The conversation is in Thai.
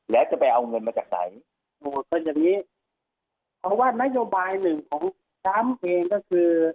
แล้วจะไปเอาเงินมาจากไหนเพราะว่านโยบายหนึ่งของซ้ำเพลงก็คือ